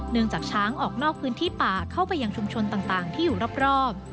จากช้างออกนอกพื้นที่ป่าเข้าไปยังชุมชนต่างที่อยู่รอบ